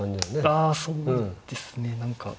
あそうですね何か。